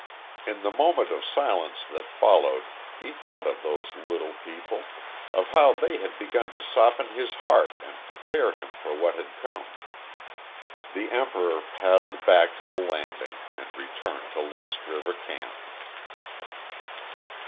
In the moment of silence that followed he thought of those little people of how they had begun to soften his heart and prepare him for what had come. The Emperor paddled back to the landing and returned to Lost River camp.